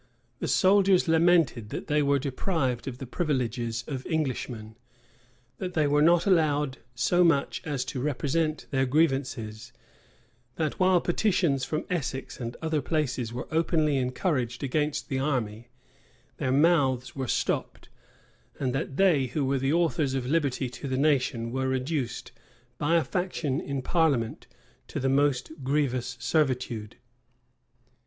The soldiers lamented, that they were deprived of the privileges of Englishmen; that they were not allowed so much as to represent their grievances; that, while petitions from Essex and other places were openly encouraged against the army, their mouths were stopped; and that they, who were the authors of liberty to the nation, were reduced, by a faction in parliament, to the most grievous servitude.